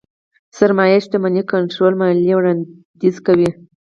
سرمايې شتمنۍ کنټرول ماليې وړانديز کوي.